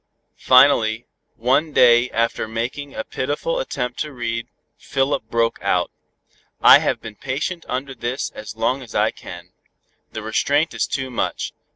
Finally one day, after making a pitiful attempt to read, Philip broke out, "I have been patient under this as long as I can. The restraint is too much.